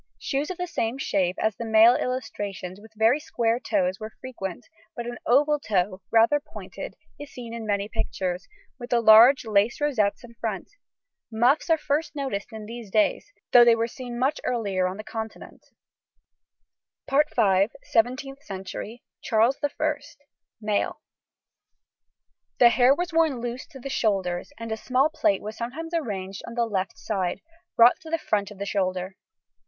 Shoes of the same shape as the male illustrations, with very square toes, were frequent, but an oval toe, rather pointed, is seen in many pictures, with the large lace rosettes in front. Muffs are first noticed in these days, though they were seen much earlier on the Continent. [Illustration: FIG. 65. Period 1625 1660.] SEVENTEENTH CENTURY. CHARLES I. MALE. The hair was worn loose to the shoulders, and a small plait was sometimes arranged on the left side, brought to the front of shoulder.